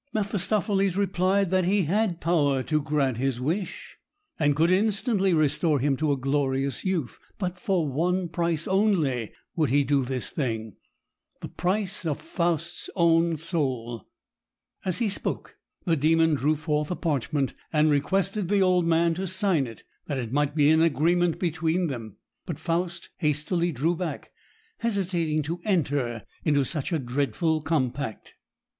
Mephistopheles replied that he had power to grant his wish, and could instantly restore him to a glorious youth; but for one price only would he do this thing the price of Faust's own soul! As he spoke, the Demon drew forth a parchment, and requested the old man to sign it, that it might be an agreement between them; but Faust hastily drew back, hesitating to enter into such a dreadful compact.